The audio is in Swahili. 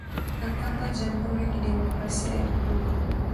na kwamba jamhuri ya kidemokrasia ya Kongo